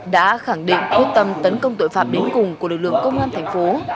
đã khẳng định quyết tâm tấn công tội phạm đến cùng của lực lượng công an thành phố